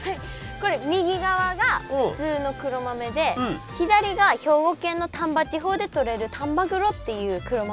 これ右側が普通の黒豆で左が兵庫県の丹波地方でとれる丹波黒っていう黒豆。